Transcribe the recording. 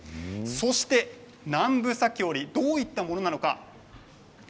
そして南部裂織どういったものなのか。